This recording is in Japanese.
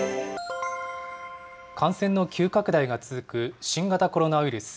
感染の急拡大が続く新型コロナウイルス。